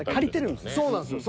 そうなんですよ。